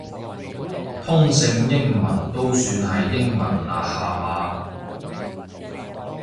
通勝英文都算係英文啦下嘛